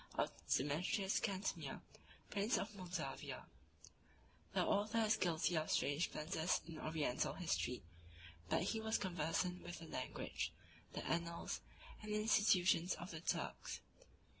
of Demetrius Cantemir, prince of Moldavia, (London, 1734, in folio.) The author is guilty of strange blunders in Oriental history; but he was conversant with the language, the annals, and institutions of the Turks.